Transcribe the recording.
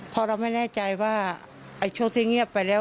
เพราะเราไม่แน่ใจว่าไอ้โชคที่เงียบไปแล้ว